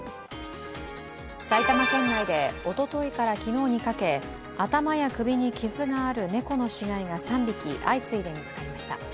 埼玉県内でおとといから昨日にかけ頭や首に傷がある猫の死骸が３匹、相次いで見つかりました。